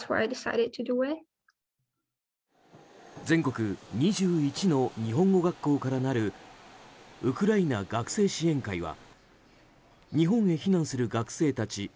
全国２１の日本語学校からなるウクライナ学生支援会は日本へ避難する学生たち